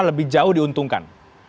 lebih jauh diuntungkan